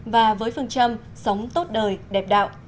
và với phương châm sống tốt đời đẹp đạo